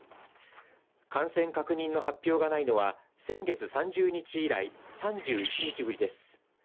感染確認の発表がないのは先月３０日以来３１日ぶりです。